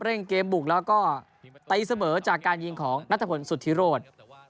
เกมบุกแล้วก็ตีเสมอจากการยิงของนัทพลสุธิโรธ